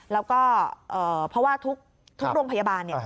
แล้วก็เพราะว่าทุกโรงพยาบาล